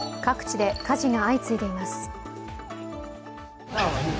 各地で火事が相次いでいます。